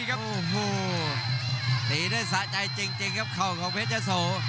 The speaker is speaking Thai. โอ้โหตีด้วยสะใจจริงครับเข่าของเพชรยะโส